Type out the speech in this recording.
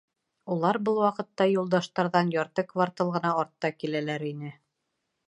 Улар был ваҡытта Юлдаштарҙан ярты квартал ғына артта киләләр ине.